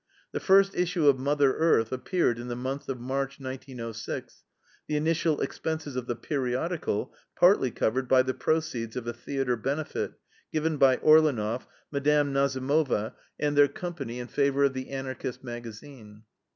The first issue of MOTHER EARTH appeared in the month of March, 1906, the initial expenses of the periodical partly covered by the proceeds of a theater benefit given by Orleneff, Mme. Nazimova, and their company, in favor of the Anarchist magazine.